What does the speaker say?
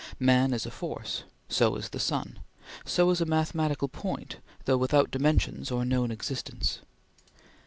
Man is a force; so is the sun; so is a mathematical point, though without dimensions or known existence.